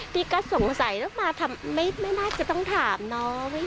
พี่ก็สงสัยแล้วมาไม่น่าจะต้องถามเนาะ